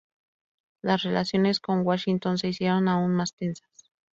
Las relaciones con Washington se hicieron aún más tensas.